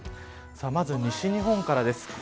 まず西日本からです。